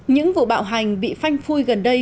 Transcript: những vụ bạo hành bị phanh phui gần đây